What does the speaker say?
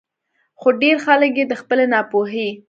خو ډېر خلک ئې د خپلې نا پوهۍ